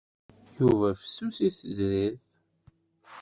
Yuba fessus i tezrirt.